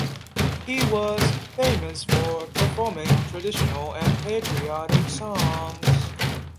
He was famous for performing traditional and patriotic songs.